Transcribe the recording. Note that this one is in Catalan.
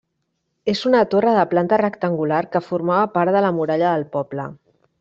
És una torre de planta rectangular que formava part de la muralla del poble.